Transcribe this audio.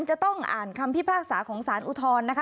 จะต้องอ่านคำพิพากษาของสารอุทธรณ์นะคะ